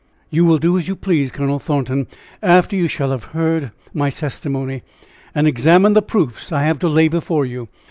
"You will do as you please, Colonel Thornton, after you shall have heard my testimony and examined the proofs I have to lay before you.